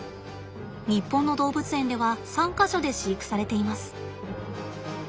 日本の動物園では３か所で飼育されています。